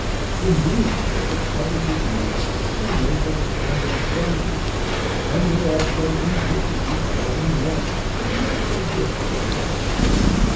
The meaner sort are covered with mats which they make of a kind of bulrush, and are also indifferently tight and warm, but not so good as the former....